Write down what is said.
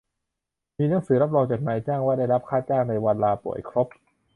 มีหนังสือรับรองจากนายจ้างว่าได้รับค่าจ้างในวันลาป่วยครบ